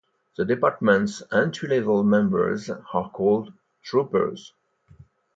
The department's entry-level members are called "Troopers".